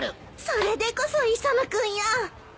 それでこそ磯野君よ。